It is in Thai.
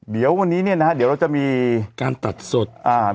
เดี๋ยววันนี้เราจะมีการตัดสด